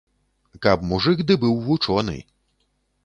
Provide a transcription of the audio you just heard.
Каб мужык ды быў вучоны.